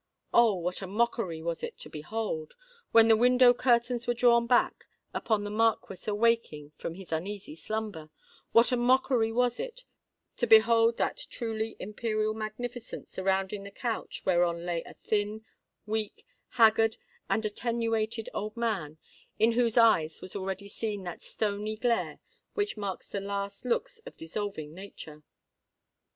Oh! what a mockery was it to behold,—when the window curtains were drawn back, upon the Marquis awaking from his uneasy slumber,—what a mockery was it to behold that truly imperial magnificence surrounding the couch whereon lay a thin, weak, haggard, and attenuated old man, in whose eyes was already seen that stony glare which marks the last looks of dissolving nature!